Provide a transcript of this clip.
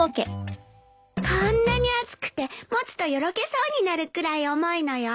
こんなに厚くて持つとよろけそうになるくらい重いのよ。